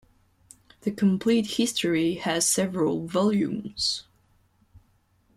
"The Complete History" has several volumes.